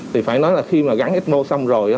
thì phải nói là khi mà gắn ecmo xong rồi